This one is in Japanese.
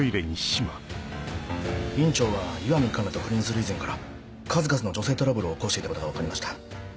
院長は石見カナと不倫する以前から数々の女性トラブルを起こしていたことが分かりました。